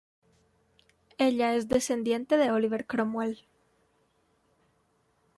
Ella es descendiente de Oliver Cromwell.